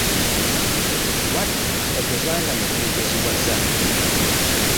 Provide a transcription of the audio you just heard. Wattu togezanga ne weegeziwaza.